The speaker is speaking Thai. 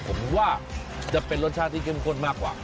ผมว่าจะเป็นรสชาติที่เข้มข้นมากกว่า